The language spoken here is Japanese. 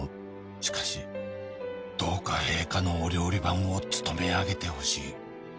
「しかしどうか陛下のお料理番を勤め上げてほしい」